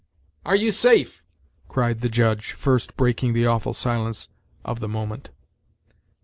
"Are you safe?" cried the Judge, first breaking the awful silence of the moment.